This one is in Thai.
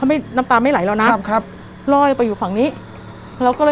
หึหึหึ